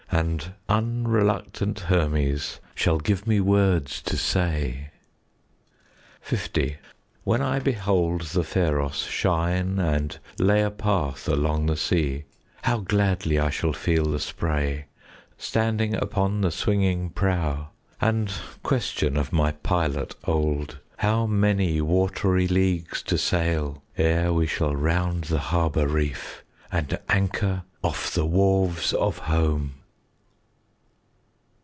And unreluctant Hermes 15 Shall give me words to say. L When I behold the pharos shine And lay a path along the sea, How gladly I shall feel the spray, Standing upon the swinging prow; And question of my pilot old, 5 How many watery leagues to sail Ere we shall round the harbour reef And anchor off the wharves of home!